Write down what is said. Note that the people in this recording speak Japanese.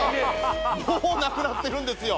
もうなくなってるんですよ